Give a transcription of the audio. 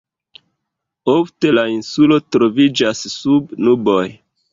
Ofte la insulo troviĝas sub nuboj.